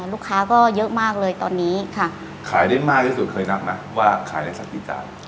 ลูกค้าก็เยอะมากเลยตอนนี้ค่ะขายได้มากที่สุดเคยนับไหมว่าขายได้สักกี่จาน